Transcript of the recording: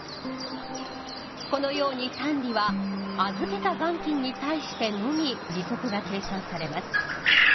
このように単利は預けた元金に対してのみ利息が計算されます。